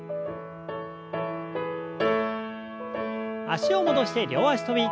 脚を戻して両脚跳び。